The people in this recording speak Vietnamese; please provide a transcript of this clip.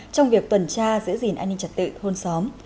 trong việc tuần tra giữ gìn an ninh trật tự thôn xóm